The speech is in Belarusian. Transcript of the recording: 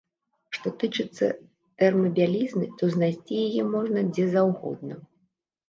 Што тычыцца тэрмабялізны, то знайсці яе можна дзе заўгодна.